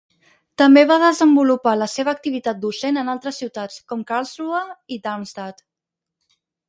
També va desenvolupar la seva activitat docent en altres ciutats, com Karlsruhe i Darmstadt.